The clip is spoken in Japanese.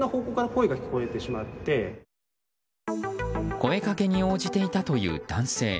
声掛けに応じていたという男性。